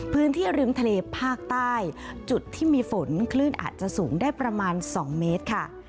พื้นที่ริมทะเลภาคใต้จุดที่มีฝนคลื่นอาจจะสูงได้ประมาณ๒เมตรค่ะ